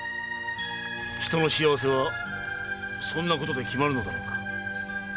人の幸せはそんなことで決まるのだろうか。